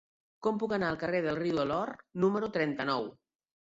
Com puc anar al carrer del Riu de l'Or número trenta-nou?